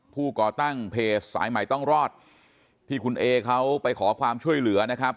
ก่อตั้งเพจสายใหม่ต้องรอดที่คุณเอเขาไปขอความช่วยเหลือนะครับ